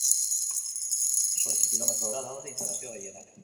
Zortzi kilometrora daude instalazio gehienak.